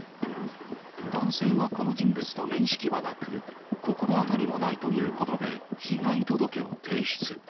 男性はこの人物と面識はなく、心当たりもないということで、被害届を提出。